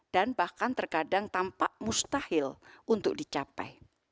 dan bahkan terkadang tampak mustahil untuk dicapai